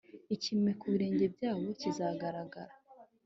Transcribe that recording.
ikime ku birenge byabo kizagaragara